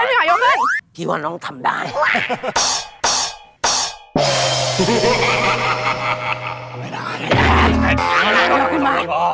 เท่านี้น้องทำได้น้องอภิบาย